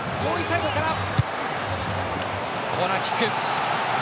コーナーキック。